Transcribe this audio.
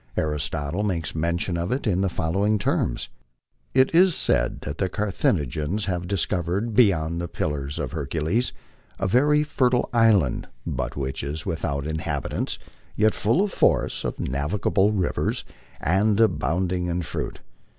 Aristotle makes mention of it in the following terms :" It is said that the Carthaginians have discovered beyond the Pillars of Hercules a very fertile island, but which is without inhabitants, yet full of forests, of navigable rivers, and abounding in fruit.